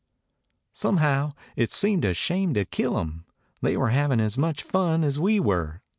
"Somehow it seemed a shame to kill 'em. They were having as much fun as we were."